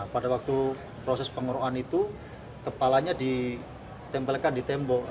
pada waktu proses pengorban itu kepalanya ditembelkan di tembok